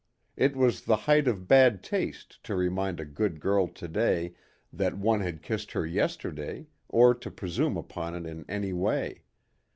It was the height of bad taste to remind a good girl today that one had kissed her yesterday or to presume upon it in any way.